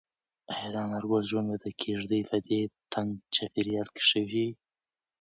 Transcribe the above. ایا د انارګل ژوند به د کيږدۍ په دې تنګ چاپېریال کې ښه شي؟